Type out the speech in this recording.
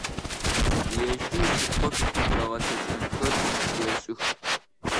Ежьыри ишъыпкъэу физкультурэ гъэцэкӀэнхэр ешӀых.